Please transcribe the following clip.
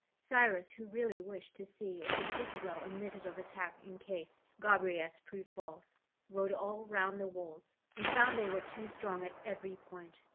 Cyrus, who really wished to see if the citadel admitted of attack in case Gobryas proved false, rode all round the walls, and found they were too strong at every point.